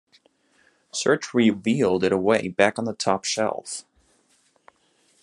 Search revealed it away back on the top shelf.